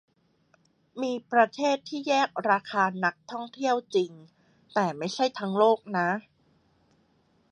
มีประเทศที่แยกราคานักท่องเที่ยวจริง แต่ไม่ใช่ทั้งโลกนะ